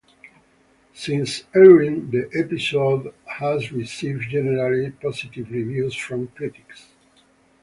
Since airing, the episode has received generally positive reviews from critics.